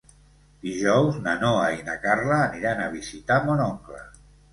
Dijous na Noa i na Carla aniran a visitar mon oncle.